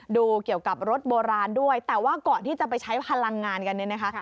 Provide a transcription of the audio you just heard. ดูเกี่ยวกับรถโบราณด้วยแต่ว่าก่อนที่จะไปใช้พลังงานกันเนี่ยนะคะ